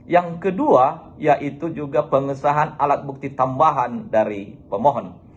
yang kedua yaitu juga pengesahan alat bukti tambahan dari pemohon